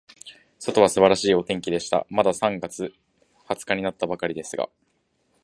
外は素晴らしいお天気でした。まだ三月二十日になったばかりですが、